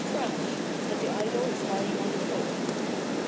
crash !— and the idol is lying on the floor."